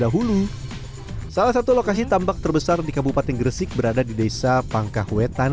dahulu salah satu lokasi tambak terbesar di kabupaten gresik berada di desa pangkah wetan